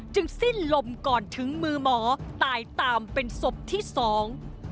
สิ้นลมก่อนถึงมือหมอตายตามเป็นศพที่สอง